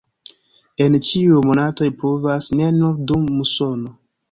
En ĉiuj monatoj pluvas, ne nur dum musono.